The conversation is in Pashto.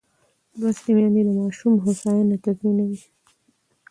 لوستې میندې د ماشوم هوساینه تضمینوي.